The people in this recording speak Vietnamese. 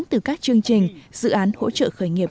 từ các chương trình dự án hỗ trợ khởi nghiệp